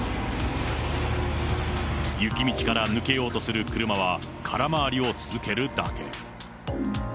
雪道から抜けようとする車は、空回りを続けるだけ。